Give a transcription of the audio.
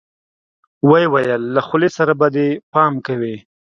ويې ويل له خولې سره به دې پام کوې.